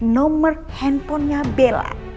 nomor handphonenya bella